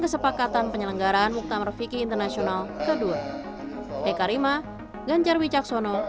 kesepakatan penyelenggaraan muktamar fiqi internasional kedua hekarima ganjarwi caksono